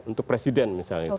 untuk presiden misalnya